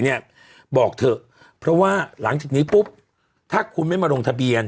เนี่ยบอกเถอะเพราะว่าหลังจากนี้ปุ๊บถ้าคุณไม่มาลงทะเบียน